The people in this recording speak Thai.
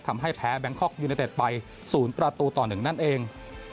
ทำให้แพ้แบงคอกยูเนเต็ดไป๐ประตูต่อ๑นั่นเอง